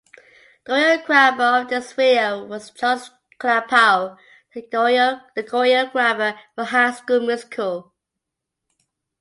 The choreographer of this video was Charles Klapow, the choreographer for "High School Musical".